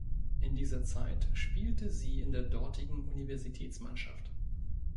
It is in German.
In dieser Zeit spielte sie in der dortigen Universitätsmannschaft.